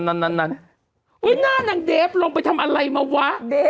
นั่นหน้านางเดฟลงไปทำอะไรมาวะ